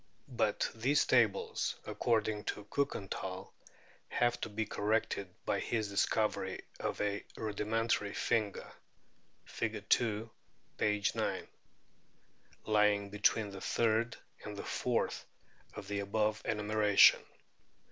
But these tables, according to Kiikenthal, have to be corrected by his discovery of a rudimentary finger (Fig. 2, p. 9) lying between the third and the fourth of the above enumeration.